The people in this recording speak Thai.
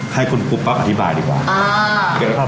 ให้คุณปุ๊บปั๊บอธิบายดีกว่า